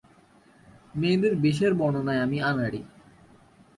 মেয়েদের বেশের বর্ণনায় আমি আনাড়ি।